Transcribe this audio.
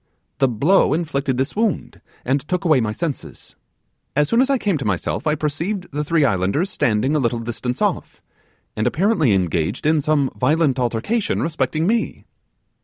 The blow inflicted this wound, and took away my senses. As soon as I came to myself, I perceived the three islanders standing a little distance off, and apparently engaged in some violent altercation respecting me.